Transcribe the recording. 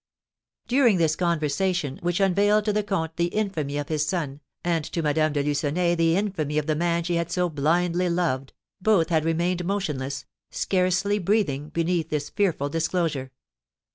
_" During this conversation, which unveiled to the comte the infamy of his son, and to Madame de Lucenay the infamy of the man she had so blindly loved, both had remained motionless, scarcely breathing, beneath this fearful disclosure.